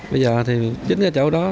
bây giờ thì chính cái chỗ đó